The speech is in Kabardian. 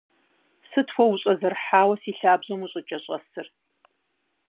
Сыт уэ ущӏэзэрыхьауэ си лъабжьэм ущӏыкӏэщӏэсыр?